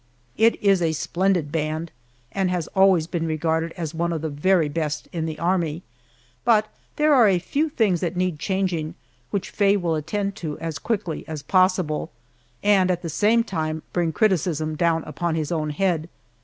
It is a splendid band, and has always been regarded as one of the very best in the Army, but there are a few things that need changing, which Faye will attend to as quickly as possible, and at the same time bring criticism down upon his own head.